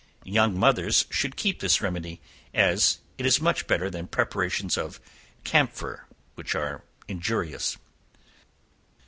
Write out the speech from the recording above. Young mothers should keep this ready, as it is much better than preparations of camphor, which are injurious.